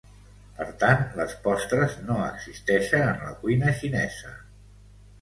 Per tant les postres no existeixen en la cuina xinesa.